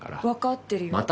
分かってるよ。